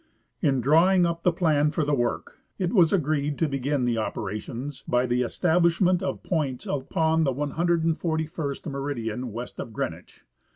In draAving up the plan for the work it was agreed to begin the operations by the establishment of points upon the 141st meridian west of Green wich.